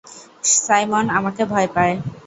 Simon আমাকে ভয় পায়!